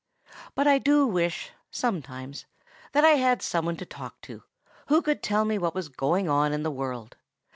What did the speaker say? But I do wish, sometimes, that I had some one to talk to, who could tell me what is going on in the world.